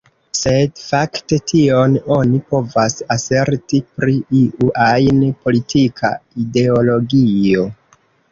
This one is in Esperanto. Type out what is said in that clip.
Sed fakte, tion oni povas aserti pri iu ajn politika ideologio.